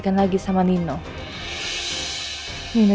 sampai jumpa di video selanjutnya